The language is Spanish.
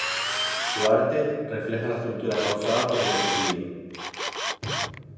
Su arte refleja la fractura causada por el exilio.